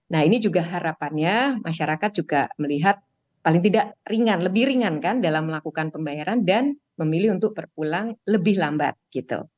nah ini juga harapannya masyarakat juga melihat paling tidak ringan lebih ringan kan dalam melakukan pembayaran dan memilih untuk berpulang lebih lambat gitu